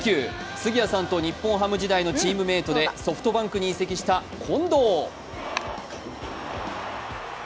杉谷さんと日本ハム時代のチームメートでソフトバンクに移籍した近藤。